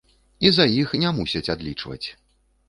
І за іх не мусяць адлічваць.